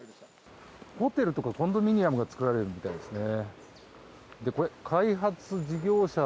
ホテルとかコンドミニアムが造られるみたいですね。